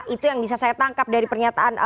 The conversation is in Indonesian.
itu yang bisa saya tangkap dari pernyataan